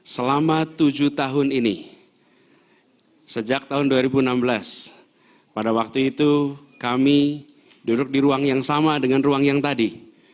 selama tujuh tahun ini sejak tahun dua ribu enam belas pada waktu itu kami duduk di ruang yang sama dengan ruang yang tadi